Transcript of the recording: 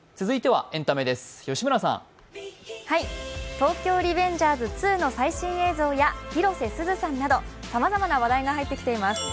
「東京リベンジャーズ２」の最新映像や広瀬すずさんなどさまざまな話題が入ってきています。